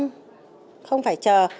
không không phải chờ